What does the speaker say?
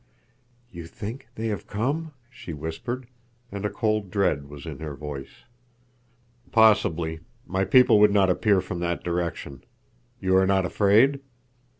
"You think they have come?" she whispered, and a cold dread was in her voice. "Possibly. My people would not appear from that direction. You are not afraid?"